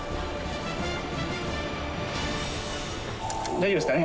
大丈夫ですかね？